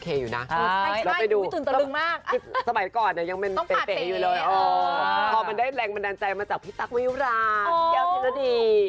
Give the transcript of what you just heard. โอเคอยู่นะแล้วไปดูสมัยก่อนเนี่ยยังเป็นเป๋อยู่เลยพอมันได้แรงบันดาลใจมาจากพี่ตั๊กวิวราชพี่เกี๊ยวพิโรดี